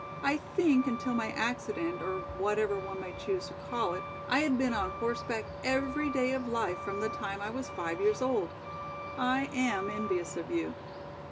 I think until my accident, or whatever one may choose to call it, I had been on horseback every day of life from the time I was five years old. I am envious of you.